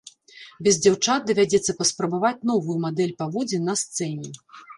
Без дзяўчат давядзецца паспрабаваць новую мадэль паводзін на сцэне!